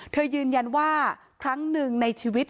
ยืนยันว่าครั้งหนึ่งในชีวิต